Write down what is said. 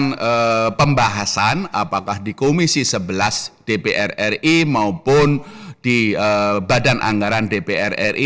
melakukan pembahasan apakah di komisi sebelas dpr ri maupun di badan anggaran dpr ri